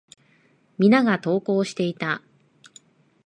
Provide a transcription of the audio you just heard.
皆が登校していた。